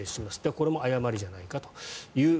これも誤りじゃないかという。